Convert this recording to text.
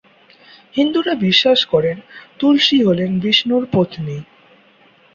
হিন্দুরা বিশ্বাস করেন, তুলসী হলেন বিষ্ণুর পত্নী।